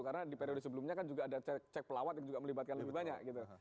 karena di periode sebelumnya kan juga ada cek pelawat yang juga melibatkan lebih banyak